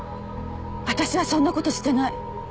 私はそんなことしてない。